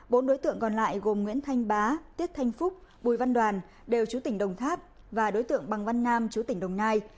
bốn đối tượng còn lại gồm nguyễn thanh bá tiết thanh phúc bùi văn đoàn đều chú tỉnh đồng tháp và đối tượng bằng văn nam chú tỉnh đồng nai